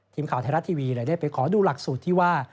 ทีมข่าวไทยรัฐทีวีเลยได้ไปขอดูหลักสูตรที่ว่า